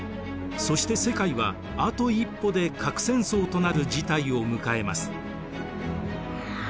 そして世界はあと一歩で核戦争となる事態を迎えます。